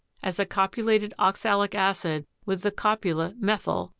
as a copulated oxalic acid with the copula methyl, C.